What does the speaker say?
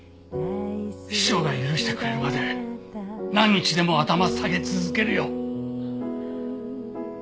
師匠が許してくれるまで何日でも頭下げ続けるよ。